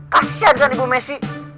kasian kan ibu messi